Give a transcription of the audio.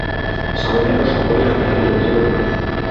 সামান্য একটা স্বপ্ন নিয়ে আপনাকে বিরক্ত করব কেন?